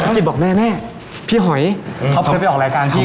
กิ๊บบอกแม่พี่หอยเค้าเคยไปออกรายการที่